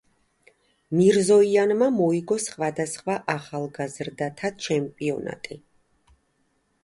მირზოიანმა მოიგო სხვადასხვა ახალგაზრდათა ჩემპიონატი.